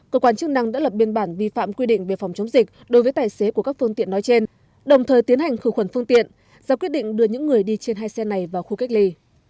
cơ quan chức năng đã lập biên bản vi phạm quy định về phòng chống dịch đối với tài xế của các phương tiện nói trên đồng thời tiến hành khử khuẩn phương tiện ra quyết định đưa những người đi trên hai xe này vào khu cách ly